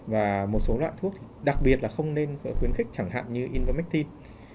và một số loại thuốc đặc biệt là không nên khuyến khích chẳng hạn như invermectin